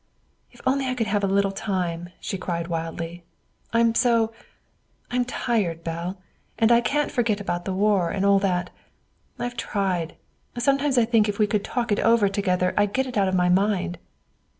"If only I could have a little time," she cried wildly. "I'm so I'm tired, Belle. And I can't forget about the war and all that. I've tried. Sometimes I think if we could talk it over together I'd get it out of my mind."